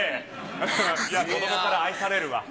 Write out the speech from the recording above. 子どもから愛されるわ。